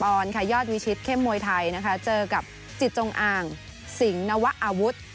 อนค่ะยอดวิชิตเข้มมวยไทยนะคะเจอกับจิตจงอ่างสิงหนวะอาวุธ